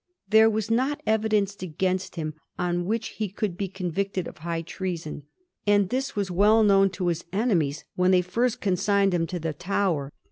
There was not evidence against him on which he could be convicted of high treason ; and this was well known to his enemies when they first consigned him to the Tower.